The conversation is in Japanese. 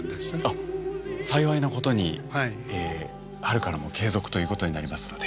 あっ幸いなことに春からも継続ということになりますので。